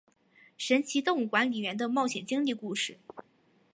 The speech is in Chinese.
神奇动物管理员的冒险经历故事。